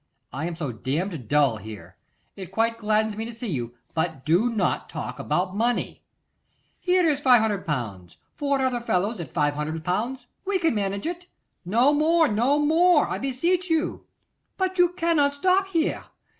I am so damned dull here. It quite gladdens me to see you; but do not talk about money.' 'Here is 500L.; four other fellows at 500L. we can manage it.' 'No more, no more! I beseech you.' 'But you cannot stop here.